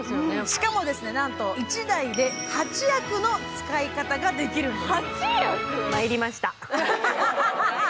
しかも１台で８役の使い方ができるんです。